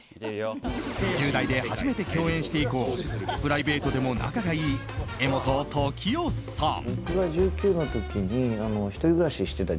１０代で初めて共演して以降プライベートでも仲がいい柄本時生さん。